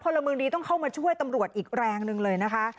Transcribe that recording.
ละเมืองดีต้องเข้ามาช่วยตำรวจอีกแรงหนึ่งเลยนะคะ